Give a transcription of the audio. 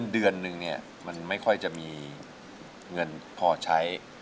เดือนนึงมันไม่ค่อยจะมีเงินพอใช้